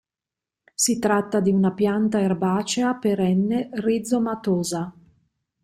Si tratta di una pianta erbacea perenne rizomatosa.